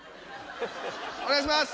お願いします。